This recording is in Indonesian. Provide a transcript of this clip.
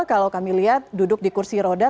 kalau kami lihat duduk di kursi roda